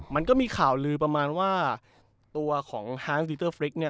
มันก็มีข่าวลือประมาณว่าตัวของเนี่ย